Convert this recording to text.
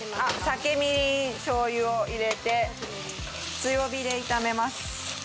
酒みりんしょう油を入れて強火で炒めます